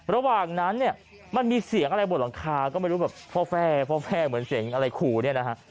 ระหว่างนั้นเนี่ยมันมีเสียงอะไรบนหลังคาก็ไม่รู้แบบพ่อแม่เหมือนเสียงอะไรขู่เนี่ยนะฮะ